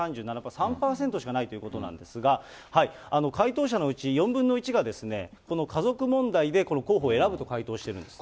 ３％しかないということなんですが、回答者のうち４分の１が、この家族問題でこの候補を選ぶと回答してるんですね。